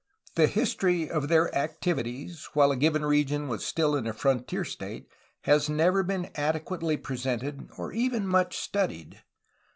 The history of their activities while a given region was still in a frontier state has never been adequately presented or even much studied.